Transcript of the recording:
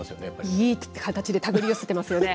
いい形でたぐり寄せてますよね。